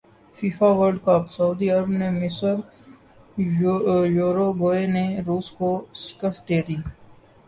FIFA world cup سعودی عرب نے مصر یوروگوئے نے روس کو شکست دیدی